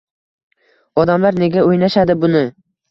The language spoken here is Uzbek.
Odamlar nega o‘ynashadi buni?